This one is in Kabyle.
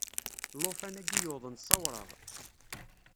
Llufan-agi yuḍen sawraɣ.